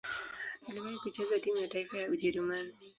Aliwahi kucheza timu ya taifa ya Ujerumani.